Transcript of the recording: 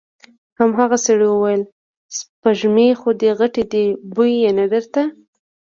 هماغه سړي وويل: سپږمې خو دې غټې دې، بوی يې نه درته؟